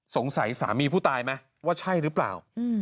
สงสัยสามีผู้ตายไหมว่าใช่หรือเปล่า